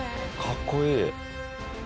かっこいい。